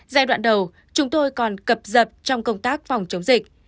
giai đoạn đầu chúng tôi còn cập dập trong công tác phòng chống dịch